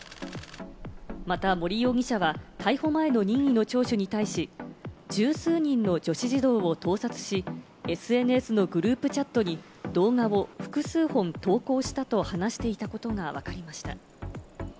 また森容疑者は逮捕前の任意の聴取に対し、十数人の女子児童を盗撮し、ＳＮＳのグループチャットに動画を複数本投稿したと話していたことがわかりました。